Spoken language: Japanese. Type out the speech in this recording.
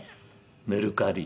メルカリ。